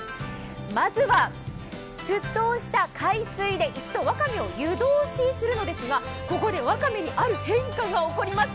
まずは沸騰した海水で一度わかめを湯通しするのですが、ここでわかめにある変化が起こります。